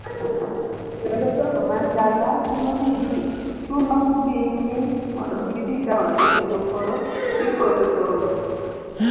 Kendo jogo man dala chuno gi ni mondo gidhi taonde kendo koro gikoso somo.